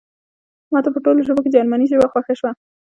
ماته په ټولو ژبو کې جرمني ژبه خوښه شوه